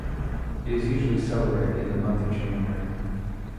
It is usually celebrated in the month of January.